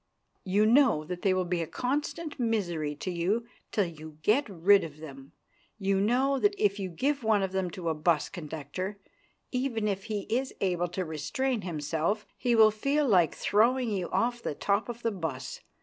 You know that they will be a constant misery to you till you get rid of them. You know that if you give one of them to a bus conductor, even if he is able to restrain himself, he will feel like throwing you off the top of the bus.